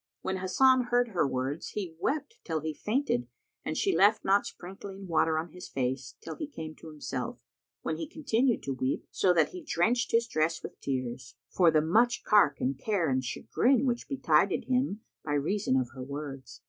When Hasan heard her words, he wept till he fainted and she left not sprinkling water on his face, till he came to himself, when he continued to weep, so that he drenched his dress with tears, for the much cark and care and chagrin which betided him by reason of her words.